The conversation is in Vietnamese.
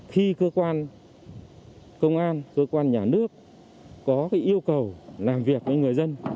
khi cơ quan công an cơ quan nhà nước có yêu cầu làm việc với người dân